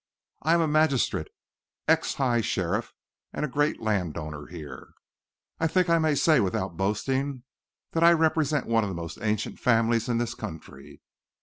I am a magistrate, ex high sheriff, and a great land owner here. I think I may say without boasting that I represent one of the most ancient families in this country.